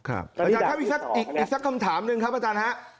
อาจารย์ครับอีกสักคำถามหนึ่งครับอาจารย์ฮะ